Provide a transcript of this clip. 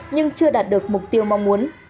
nhưng chưa đạt được mục tiêu mong muốn